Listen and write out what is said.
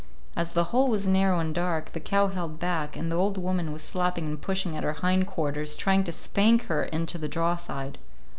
As the hole was narrow and dark, the cow held back, and the old woman was slapping and pushing at her hind quarters, trying to spank her into the draw side.